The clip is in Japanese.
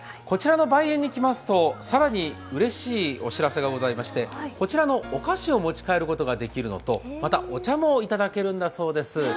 こちらの梅苑に来ますと、更にうれしいお知らせがございまして、こちらのお菓子を持ち帰ることができるのと、また、お茶も頂けるんだそうです。